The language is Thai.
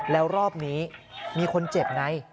แล้วรอบนี้มีคนเจ็บไง